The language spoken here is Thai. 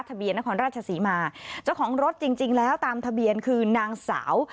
ทะเบียนนครราชศรีมาเจ้าของรถจริงจริงแล้วตามทะเบียนคือนางสาว